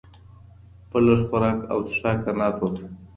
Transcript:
په لږ خوراک او څښاک قناعت وکړه.